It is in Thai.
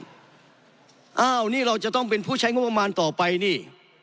อ้าวนี่เราจะต้องเป็นผู้ใช้งบประมาณต่อไปนี่